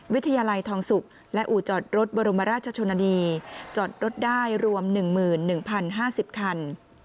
วิทยาลัยทองสุกและอู่จอดรถบรมราชชนนีจอดรถได้รวม๑๑๐๕๐คัน